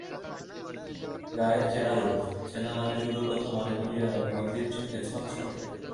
গায়ের চেনা রূপ, চেনা মানুষগুলির কথা মনে পড়িয়া মতির চোখ ছলছল করে।